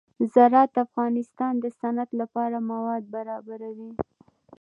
زراعت د افغانستان د صنعت لپاره مواد برابروي.